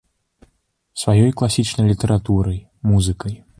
Сваёй класічнай літаратурай, музыкай.